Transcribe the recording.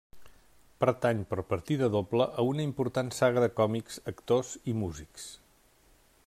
Pertany per partida doble a una important saga de còmics, actors i músics.